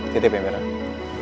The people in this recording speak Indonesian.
titip yang merah